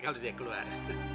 kalo dia keluar